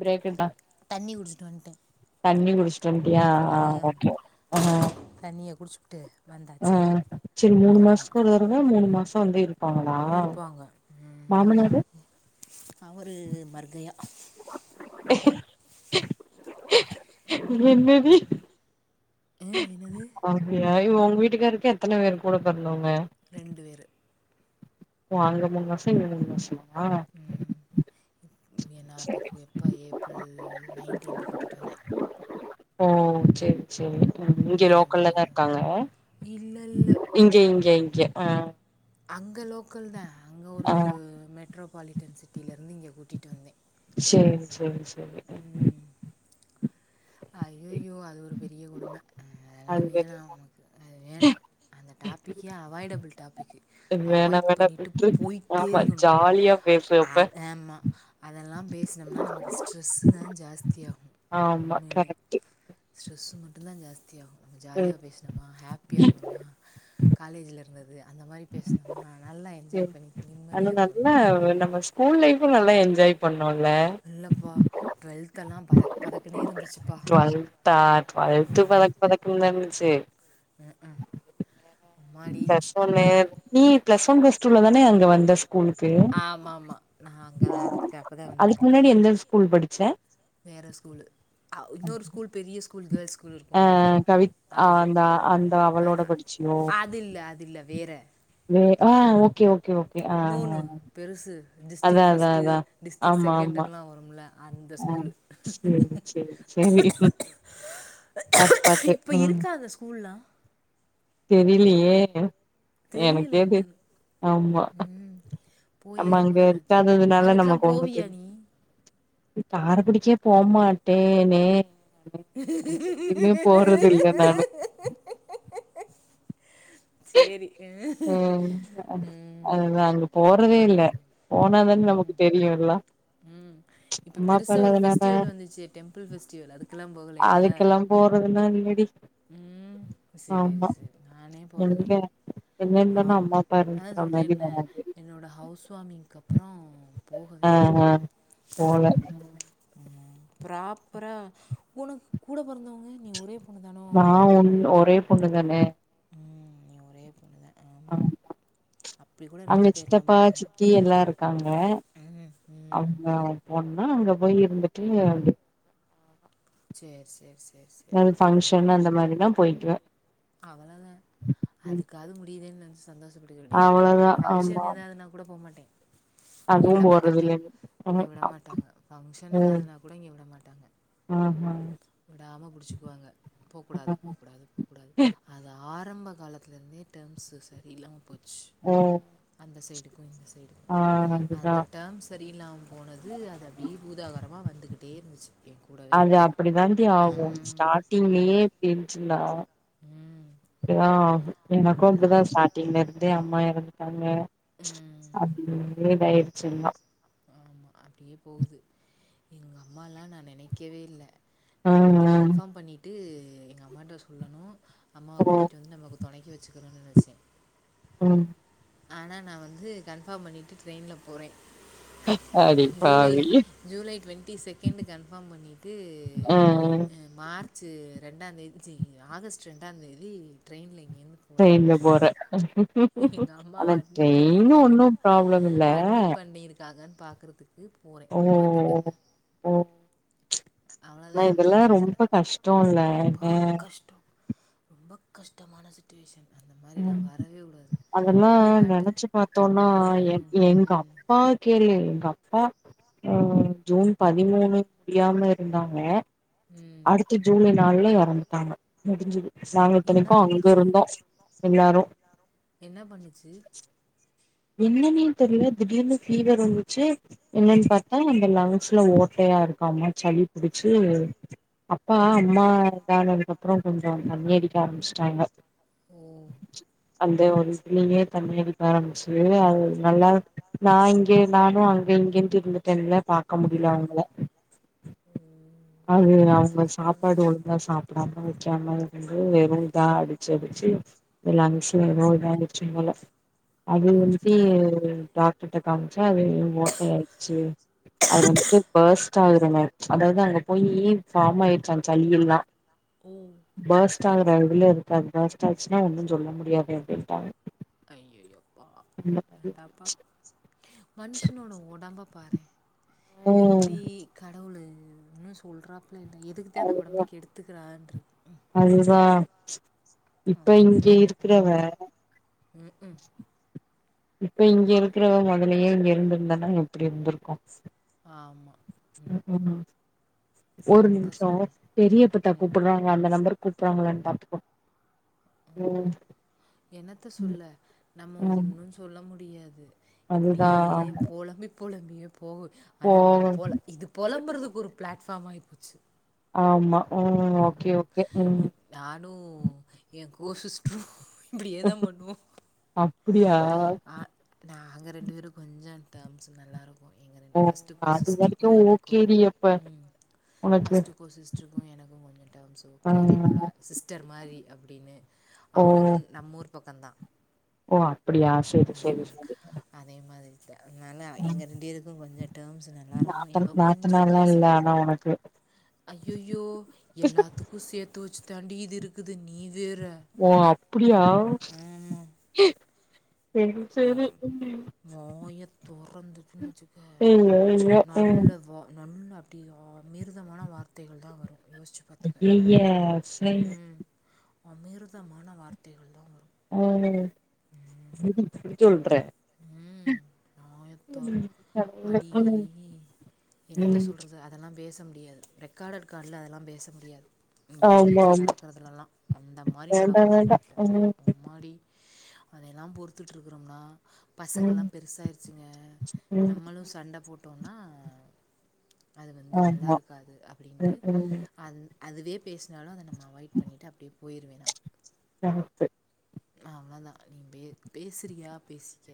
ப்ரேக்கட்டா தண்ணி குடிச்சிட்டு வந்துட்டேன் தண்ணி குடிச் வன்டியா ஆ ஒகே ஒகே ஆ ஆ தண்ணிய குடிச்சிப்புட்டு ஆ செரி மூணு மாசத்துக்கு ஒரு தரவ மூணு மாசௌ வந்து இரு இருக்காங்களா மாமனாரு அவரு மர்கையா [inaudible] என்ன டி ஆ, என்னது அப்டியா ஏய் உங்க வீட்டுக்காருக்கு எத்தன பேர் கூட பொறந்தவங்க ரெண்டு பேரு ஓ அங்க மூனு மாசோ இங்க மூனு மாசோமா ஏன்னா செரி இப்ப எப்ப ஏப்ரல் நைன்டின்த்து கூட்டிட்டு வந்தே ஓ செரி செரி இங்க இன்னும் எனக்கு லோக்கல்ல ஒரு தா இருக்காங்க இல்லை இல்லை இங்க இங்க இங்க ஆ அங்க லோக்கல் தா அங்க ஒரு ஆ மெட்ரோபாலிட்டன் சிட்டியிலருந்து இங்க கூட்டிட்டு வந்தே சேரி சேரி சேரி ஐயையோ அது ஒரு பெரிய கொடும அது பெ நமக்கு அது வேண்டா அந்த டாப்பிக்கே அவாய்டபிள் டாப்பிக்கு வேணா அவாய்ட் வேணா பண்ணிட்டு விட்ரு போயிட்டே ஆமா இருக்கணு ஜாலியா பேசு அப்ப அத அமா அதெல்லா பேசுனோம்னா நமக்கு ஸ்ட்ரெஸ்ஸு தா ஜாஸ்தியாகு ஆமா கரெக்டு ஸ்ட்ரெஸ் மட்டுதா ஜாஸ்தியாகு நம்ம ஜாலிய பேசணு நம்ம ஹாப்பியா இருந்தோமா காலேஜ்ல இருந்தது அந்த மாரி பேசுனோமா சேரி அது நல்லா நம்ம ஸ்கூல் லைஃபு நல்லா என்ஜாய் பண்ணோம்ல இல்லப்பா டுவெல்தெல்லா பதக்கு பதக்கு நே இருந்துச்சுப்பா டுவெல்தா டுவல்த்து பதக் பதக்குனா இருந்துச்சு ம் ம் பிளஸ் ஒன்னு நீ பிளஸ் ஒன் பிளஸ் டூல தானே அங்க வந்த ஸ்கூல் ஆமா ஆமா நா அங்கே தா அதுக்கு அப்பதா வந்தே அதுக்கு முன்னாடி எந்த ஸ்கூல் படி வேற ஸ்கூல் இன்னொரு ஸ்கூல் பெரிய ஸ்கூல் கேர்ள்ஸ் ஸ்கூல் அ இருக்கும்ல, கவித் அது. அந்த அந்த அ அவளோட படிச்சியோ அது இல்ல, அது இல்ல வேற. வே ஆ ஓக்கே ஓக்கே ஓக்கே ஆ இன்னொன்னு ஆ பெருசு டிஸ்டிக் ஃபர்ஸ்ட்டு டிஸ்ட்ரிக் ஆமா ஆமா செகெண்டுலா வரும்ல அந்த ஆ ஸ்கூலு சேரி சேரி சேரி பாத்து பாத்து இப்ப ம் இருக்கா அந்த ஸ்கூல்லாம்? தெரியலையே தெரியல எனக்கேது என்னன்னு. ஆமா ம். போயே ஆமா ரொம்ப அங்க நாள் ஆச்சு. இருக்காததுனால அங்கிட்டுலாம் நமக்கு ஒன்னு போவியா தெரிய நீ? நி காரைக்குடிக்கே போ மாட்டேனே இல்ல நானு [unintelligible] சரி. ‌ம் அது ம். அதுதான்ங்க போறதே இல்ல போனாதன நமக்கு தெரியு எல்லா ம் இப்ப அம்மா அப்பா பெருசா ஒரு இல்லாதனால ஃபெஸ்டிவல் வந்துச்சு டெம்பிள் பெஃஸ்டிவல் அதுக்கு அதுக்கெல்லா போறதுல்லா இல்லடி ம் சேரி ஆமா சேரி நானே எங்க போறதுல எங்க ஆ இருந்தாலு அம்மா அப்பா அதா இருந்துக்கிற சொல்றே மாரி இல்ல வராது என்னோட ஹவுஸ் வார்மிங்க்கு அப்புறோ ஆ போகவே இல்ல ஆ போல ம். ப்ராப்பரா உனக்கு கூட பொறந்தவங்க நீ ஒரே பொண்ணு தானோ? நா ஒன் ஒரே பொண்ணு தானே ம் நீ ஒரே பொண்ணுதா ஆமா அங்க இருந்துட்டு போயிரலாம் சித்தப்பா போல. சித்தி எல்லா இருக்காங்க ம். ம். அவங்க ஒன்னா அங்க போய் இருந்துட்டு வந் சேரி சேரி சேரி ஏதாவது ஃபங்க்ஷன் அந்த மாரினா போயிடுவே அவ்வளாதா அதுக்காவது முடியுதுதேன்னு நெனச்சி சந்தோஷப்பட்டுக்க வேண்டியதுதா நா அவ்ளோதா ஆமா ஃபங்க்ஷன் ஏதாவதுன்னா கூட போமாட்டே அதுவு போடுரதில்லங்க இங்கே விடமாட்டாங்க ஃபங்க்ஷன் எதாவதுனா கூட இங்கே விட மாட்டாங்க ஆஹஹா விடாம புடிச்சிக்கு வாங்க போக் கூடாது போக் கூடாது போக்கூடாது அது ஆரம்ப காலத்துல இருந்தே டேம்ஸ்சு சரியில்லாம போச்சு ம். அந்த சைடுக்கு இந்த சைடுக்கு ஆ அதுதா அந்த டேம்ஸ் சரியில்லாம போனது அது அப்புடியே பூதாகரமா வந்துக்கிட்டே இருந்துச்சு எனக்கு அது அப்புடிதா டி ஆகு ம் ஸ்டார்ட்டிங்லயே பிரிஞ்சிருந்தா ம் ஓகே வா எனக்கு அப்புடிதா நாங்கள் ஸ்டார்டிங்ல இருந்தே அம்மா இறந்துட்டாங்க ம் அப்புடியே இதயிடுச்சுன்னா ஆமா அப்புடியே போகுது எங்க அம்மாலா நா நினைக்கவே இல்ல ஆ நா வந்து ஆ கன்ஃபாம் பண்ணிட்டு எங்க அம்மாட்ட சொல்லணு அம்மா வா ஓ கூட்டிட்டு வந்து நம்ப துணைக்கு வச்சுக்கிறோன்னு நெனச்சே ம் ஆனா நா வந்து கன்ஃபாம் பண்ணிட்டு ட்ரெயின்ல போறே அப்படி ப் பாவி ஜூலை ட்வெண்ட்டி செகண்டு கன்ஃபாம் பண்ணிட்டு ஆ ஆ மார்ச் ரெண்டா தேதி சீ ஆகஸ்ட் ரெண்டா தேதி ட்ரெயினுல்ல இங்கேயிருந்து ட்ரெயின்ல போறே எங்கள் அம்மாவை ஆனா அட்மிட் ட்ரெயின்னு ஒன்னு ப்ராப்ளம் இல்ல பண்ணி இருக்காங்க பாக்குறதுக்கு ட்ரெயின்ல வேற இட இருக்கும் ம் ஆனா அவ்ளோதா இத எல்லா அப்டின்ட்டாங்க ரொம்ப கஷ்டே இல்ல ரொம்ப ஏ கஷ்டோ ரொம்ப கஷ்டமான சுச்சுவேஷன் அந்த மாதிரிலா வரவே கூடாது என்ன போய் பாட்டு நெனச்சு பாத்தோம்னா எங் ம் எங்க ம் அப்பா கேளு எங்க அப்பா ம் ஜூன் பதிமூணு முடியாம இருந்தாங்க ம்ம் அடுத்த ஜூலை நாள்ல இறந்துட்டாங்க முடிஞ்சுது நாங்க என்ன இத்தனைக்கு அங்க பண்ணுச்சு இருந்தோ எல்லாரு என்ன பண்ணுச்சு என்னன்னு தெரியல திடீர்னு பீவர் இருந்துச்சி என்னன்னு ம் பாத்த அத அந்த லங்ஸ்சுல ஓட்டையா இருக்கு ஆமா சளி பிடிச்சு அப்பா அம்மா போனதுக்குப்புறோ கொஞ்சோ தண்ணியடிக்க ஆரம்பிச்சுட்டாங்க ஓ அந்த ஒரு இதிலயே தண்ணி அடிக்க ஆரம்பிச்சு அது நல்லா நா இங்க நானு அங்க இங்கன்னட்டு இருந்துட்டேன்ல பாக்க ஆ முடியல அவுங்கள ஓ அதுல என்னத்த அவுங்க சொல்ல சாப்பாடு ஒழுங்கா சாப் சாப்புடா வைக்கமா இருந்து வெறு இதா அடிச்சி அடிச்சி எல்லா [unintelligible] அது வந்துட்டு லங்ஸா டாக்டர்கிட்ட காமிச்ச அது ஓட்டை ஆயிடுச்சு அது வந்துட்டு பேர்ஸ்ட்டு ஆகுற மாறி அதாவது அங்க போயி ஃபாம் ஆயிச்சா சல்லு எல்லா ம் பலாஸ்ட் ஆகுற இதுல இருக்கா பலாஸ்ட்டு ஆச்சுன்னா ஒன்னு சொல்ல முடியாது அப்டிட்டாங்க அய்யய்யோ அப்பா வேண்டாப்பா மனுஷனோட உடம்ப பாரே ம் எப்டி கடவுளு னு உட்ரா ல்ல எதுக்கு தா இந்த அது உடம்ப கெடுத்துக்கிறான்ருக்கு ம் அதுதா ஆமா திருவ ம் ம் இப்ப இங்க இருக்கிறவ முதலயே இங்க இருந்திருந்தானா எப்டி இருந்திருக்கு ஆமா ம் ஒரு என்னத்த நிமிஷோ சொல்ல பெரியப்பத்தா கூப்புறா அந்த நம்பரு கூப்புறாங்களான்னு பாத்துக்கோ ம் என்னத்த சொல்ல நம்ம ம் ஒன்னு சொல்ல முடியாது அதுதா இப்டியே ஆமா பொலம்பி புலம்பியே போகு ஆனா போக நம்ம போல இது புலம்றதுக்கு ஒரு பிளாட்ஃபாம் ஆகி போச்சு ஆமா ம் ஓகே ஓகே ம் நானு எ கோசிஸ்ட்ரு இப்டியேதா பண்ணுவோ அப்டியா அ நாங்க ரெண்டு பேரு கொஞ்சோ டேம்ஸ் நல்லாரு ப்போ எங்க ஓ ஃபர்ஸ்ட்டு கோ அது சிஸ்டருக்கு வரைக்கு எனக்கு ஓகேடி அப்ப உனக்கு ஃபர்ஸ்ட்டு கோ சிஸ்டருக்கு எனக்கு கொஞ்சோ டேம்ஸ் ஆ ஓகே என்னோட சிஸ்டர் மாரி அப்டின்னு ஓ அவுங்களு நம்ம ஊர் பக்கந்தா ஓ அப்படியா செரி செரி செரி அதே மாதிரி தா அதனால எங்க ரெண்டேருக்கு கொஞ்சோ டேர்ம்ஸ் நல்லாருக்கு நாத்த எதோ கொஞ்சோ நாத்தனார்லா இல்ல பேசிப்போ ஆனா உனக்கு ஐயயோ எல்லாத்துக்கு சேத்து வெச்சி தாண்டி இது இருக்குது நீ வேற ஓ அப்படியா மா வாய தொறந்துச்சின்னு வச்சிக்க ஐயோ ஐயோ ம் நல்ல வா நல்ல அப்டி அமிர்தமான வார்த்தைகள் தா வரு யோசிச்சி ஐயய சய் அமிர்தமான வார்த்தைகள் தா வரு ம் [unintelligible] வாயத்தோர் அடி என்னத்த ம் சொல்றது அதெல்லா பேச முடியாது ரெக்கார்டட் கால்ல அதெல்லா பேச முடியாது இன்னைக்கி எங்க ஆமா வீட்டில ஆமா நடக்கிறதுலலா அந்த மாரி வேண்டா நடக்கு எங்க வேண்டா வீட்ல ம் அம்மாடி அது எல்லா பொறுத்துட்டு இருக்குறம்னா பசங்கள்ல்லா ம் பெருசாயிருச்சிங்க ம் நம்மளு சண்டை போட்டோன்னா அது வந்து நல்லா ஆமா இருக்காது அப்படின்ட்டு ம் ம் அது அதுவே பேசுனாலு அத நம்ம அவாய்ட் பண்ணிட்டு அப்டியே போயிருவே நா சமத்து அவ்ளோ தா நீ பேசு பேசுறியா பேசிக்க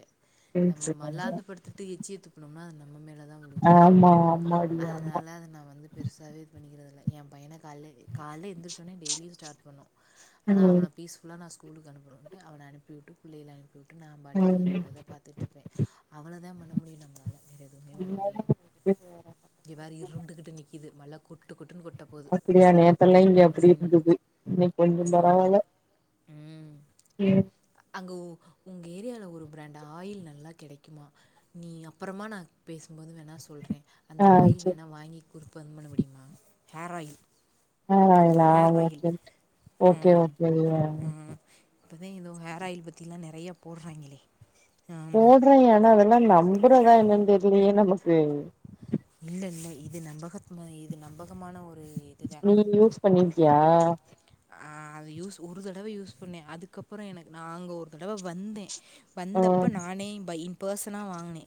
நம்ம பேசுவாங்க. மல்லாந்து படுத்து து எச்சிய துப்புனம்னா அது நம்ம மேலதா ஆமா ஆமாடி ஆமா அத நா வந்து பெருசாவே இது பண்ணிக்கிறது இல்ல என் பையன கால்ல கால்ல எந்திரிச்சோன்னே டெய்லியு ஸ்டார்ட் பண்ணு ஆனா ம் அவன பீஸ்ஃபுல்லா நா ஸ்கூலுக்கு அனுப்பணுன்ட்டு அவன அனுப்பிவிட்டு பிள்ளைகள அனு நா பாட்டிக்கு ம் என்னோடத பாத்துட்டு இருப்பே அவ்வளதா பண்ண முடியு நம்மளால வேற எதுவுமே பண்ண முடியாது [inaudible] இங்க பாரு இருண்டுகிட்டு நிக்குது மழை கொட்டு கொட்டுன்னு கொட் அப்படியா நேத்தல்லா இங்க அப்படி இருந்தது இன்னைக்கு கொஞ்சம் ம் பரவால்ல ம் சேர் அங்க உங்க ஏரியல ஒரு பிராண்ட் ஆயில் நல்லா கிடைக்குமா நீ அப்புறமா நா பேசுபோது வேணா சொல்லுறே அந்த ஆ ஆயில் சரி வேணா வாங்கி கொடுக்க அனுப்பமுடியுமா ஹேர் ஆயிலு ஹேர் ஆயிலா ஓகே ஓகே இப்போதே ஏதோ ஹேர் ஆயில் பற்றிலா நிறையா போடுறாங்களே ஆ ஆமா போடுறே ஆனா அது எல்லா நம்புறதா என்னன்ன தெரியலையே நமக்கு இல்ல இல்ல இது நம்பக இது நம்பகமான ஒரு இதுதான் நீ யூஸ் பண்ணிருக்கியா அது யூஸ் ஒரு தடவ யூஸ் பண்ணேன் அதுக்கு அப்புற எனக்கு நா அங்க ஒரு தடவ வந்தே ஆ வந்தப்ப நானே இ பர்சனாக வாங்கினே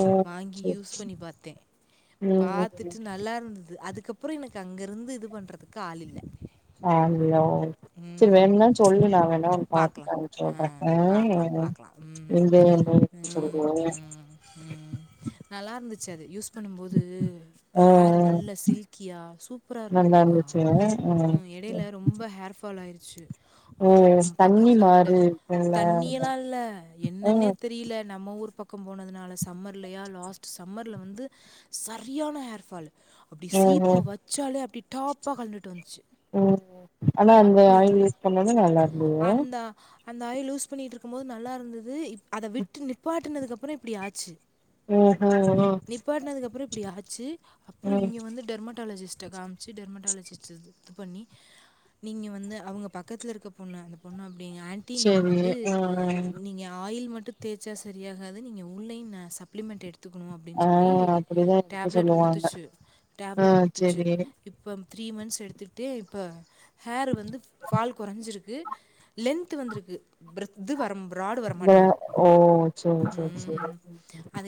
ஓ வாங்கி யூஸ் செரி யூஸ்பண்ணி பாத்தே ம் பாத்துட்டு நல்லா இருந்தது அதுக்கு அப்புற அப்றோ அங்க இருந்து இது பண்ணுறதுக்கு ஆளு இல்லை ஆள் இல்லயா சேரி வேணும்ன்னா சொல்லு நா வேணா பார்க்கலாம் பாத்துட்டு ஆ சொல்றே பார்க்கலாம் இல்ல பார்க்கலாம் ம் என்ன எதாவது ம் சொல்லு ம் ம் நல்லா இருந்துச்சு அது யூஸ் பண்ணுபோது ஆ ஆ ஹேர் நல்ல சில்கியா சூப்பர நல்லா இருந்ததுப்பா இருந்துச்சு ஆ ம் இடயில ரொம்ப ஹேர் ஃபால் ஆயிருச்சு ஓ அப்புற தண்ணி பக்கத்துல ஒரு தெத்து மாரி இருக்குல்ல தண்ணியில்லா இல்ல ஆ என்னன்னே தெரியல நம்ம ஊர் பக்கம் பக்க போனதுனால சம்மர் இல்லயா லாஸ்ட்ட் சம்மர்ல வந்து சரியான ஹேர் ஃபால் அப்டி ஓஹோ சீப்ப வைச்சாலே அப்படி டாப்பா கலன்டு வந்துச்சு அத அந்த அப்படி ஆயில் யூஸ் பண்ணது நல்லா இருந்தது அந்த அந்த ஆயில் லூஸ் பண்ணிகிட்டு இருக்கு போது நல்லா இருந்தது இப்பஅதை விட்டு நிப்பாட்டினது அப்புற இப்டி ஆச்சு ஆஹ நிப்பாடினதுக்கு அப்புற இப்டி ஆச்சு அப்புற ம் இங்கே வந்து டெர்மட்டாலஜிஸ்டக்கா காமிச்சு சி டெர்மடாலஜி இது பண்ணி நீங்க வந்து அவங்க பக்கத்துல இருக்க பொண்ணு அந்த பொண்ணு அப்டிங்க ஆண்டி ஆண்டி நீங்க செரி வந்து ஆ ஆ நீங்க ஆயில் மட்டு தேய்ச்சா சரியாகாது நீங்கள் உள்ளயேளையு நா சப்ளிமெண்ட் எடுத்து கத்துக்கணு அப்படின்னு ஆ சொல்லி அப்டிதா எடுக்க டேப்லட் சொல்லுவாங்க கொடுத்துச்ச ஆ டேப்லெட் கொடுத்துச்சு செரி இப்ப த்ரீ மந்த்ஸ் எடுத்துக்கிட்டட்டு இப்ப ஹேர் வந்து ஃபால் குறைஞ்சிருக்கு லென்த் வந்துருக்கு பிர இது வர பராடு இந்த வரமாட்டேங்குது ஓ செரி செரி செரி ம்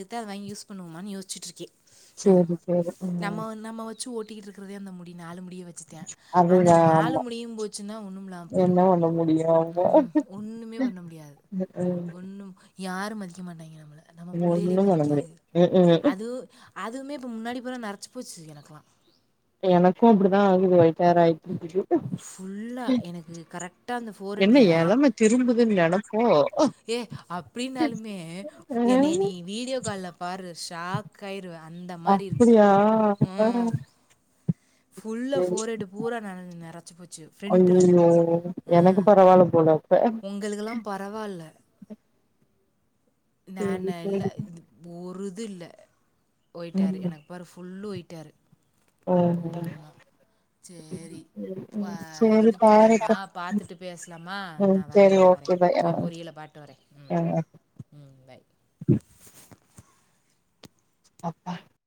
து வாங்கி யூஸ் பண்ணுவோமனுயசிச்சட்டுரு க்கே சேரி ஆமா சேரி ம் நம்ம நம்ம வேச்சு ஓட்டி இருக்கதே அந்த முடி நாலு முடி முடிய வச்சுத்தே அந்த அதுதா நாலு ஆமா முடியு போச்சுன்னா ஒன்னும்ல்லாம போயிடு என்ன பண்ண முடியு அவங்க ம் ஒண்ணுமே பண்ண முடியாது ம் ஓண்ணு யாரு மதிக்க மாட்டாங்க நம்மள நம்ம பிள்ளைகலே ஒன்னு மதிக்க பண்ண காது முடியா ம் ம் அதுவு அதுவுமே இப்போ முன்னாடி போல நறச்சி போச்சு எனக்கலா எனக்கு அப்டிதா ஆகுது ஓயிட் ஹேர் ஆகியிட்டுருக்கு ஃபுல்லாக எனக்கு கரெக்டாக அந்த என்ன ஃபோர்ஹட்டிலா எளம திரும்புதுன்னு நெனப்போ ஏ அப்டினாலுமே என்ன நீ வீடியோ கால்ல பாருற ஷாக் கயிறு அந்த மாதிரி இருக்கு அப்டியா ஆ ம் ஃபுல்ல ஃபோர ஹெட் பூரா ந நேறச்சு போச்சு ஃப்ரண்ட்ல. ஐயோ எனக்கு பரவாயில்ல போல அப்ப உங்களுக்கெல்லா பரவாயில்ல சேரி நான இல்ல சேரி ஒரு இது இல்ல ஓயிட்ஹேர் ம் எனக்கு ஒரு ஃபுல்லு ஒயிட்டாரு ஓஹ் சேரி வ சேரி இது போறோமா பாருப்பா பாத்துட்டு பேசலாமா நா ம் வர்றே செரி இதா வர்றே ஓகே பாய் ஆ ஆ போய் பொரியல பாட்டு வரே ஆ ம் பாய் அப்பா